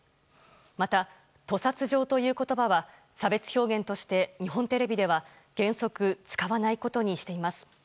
また、「と殺場」という言葉は差別表現として日本テレビでは原則使わないことにしています。